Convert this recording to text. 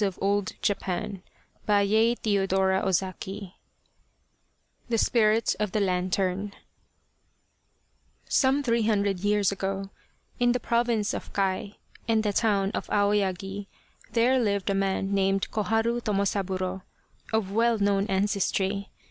80 The Spirit of the Lantern F The Spirit of the Lantern SOME three hundred years ago, in the province of Kai and the town of Aoyagi, there lived a man named Koharu Tomosaburo, of well known ancestry.